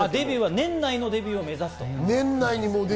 年内のデビューを目指します。